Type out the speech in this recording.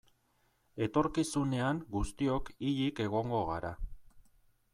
Etorkizunean guztiok hilik egongo gara.